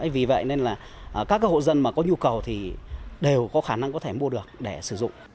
vì vậy nên là các hộ dân mà có nhu cầu thì đều có khả năng có thể mua được để sử dụng